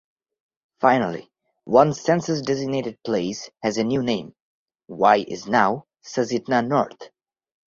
Finally, one census-designated place has a new name: Y is now Susitna North.